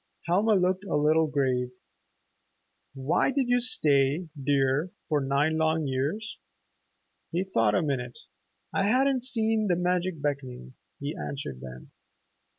Helma looked a little grave. "Why did you stay, dear, for nine long years?" He thought a minute. "I hadn't seen the magic beckoning," he answered then.